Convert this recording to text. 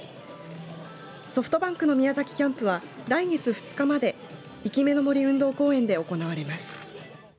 ソフトバンクの宮崎キャンプは来月２日まで生目の杜運動公園で行われます。